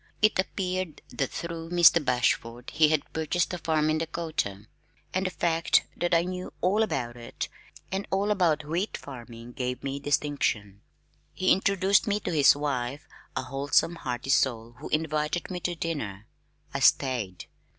It appeared that through Mr. Bashford he had purchased a farm in Dakota, and the fact that I knew all about it and all about wheat farming gave me distinction. He introduced me to his wife, a wholesome hearty soul who invited me to dinner. I stayed.